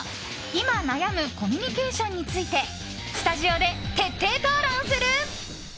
今、悩むコミュニケーションについてスタジオで徹底討論する。